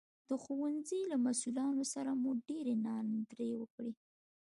د ښوونځي له مسوولانو سره مو ډېرې ناندرۍ وکړې